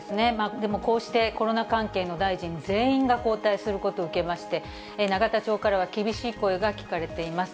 でも、こうしてコロナ関係の大臣、全員が交代することを受けまして、永田町からは厳しい声が聞かれています。